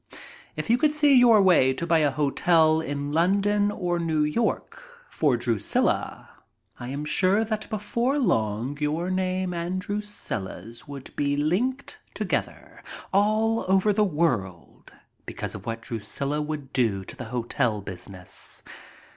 If you could see your way to buy a hotel in London or New York for Drusilla, I am sure that before long your name and Drusilla's would be linked together all over the world because of what Drusilla would do to the hotel business.